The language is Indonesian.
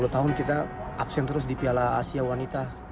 sepuluh tahun kita absen terus di piala asia wanita